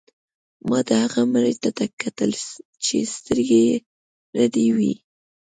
ما د هغه مړي ته کتل چې سترګې یې رډې وې